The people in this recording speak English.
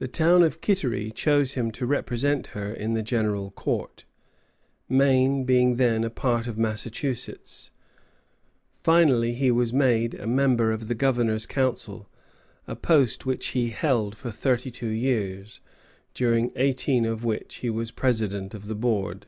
The town of Kittery chose him to represent her in the General Court, Maine being then a part of Massachusetts. Finally, he was made a member of the Governor's Council, a post which he held for thirty two years, during eighteen of which he was president of the board.